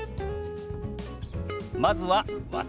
まずは「私」。